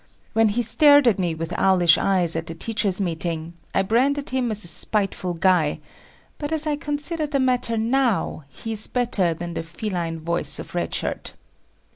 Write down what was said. When he stared at me with owlish eyes at the teachers' meeting, I branded him as a spiteful guy, but as I consider the matter now, he is better than the feline voice of Red Shirt.